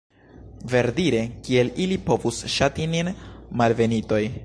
Verdire, kiel ili povus ŝati nin, malbenitoj?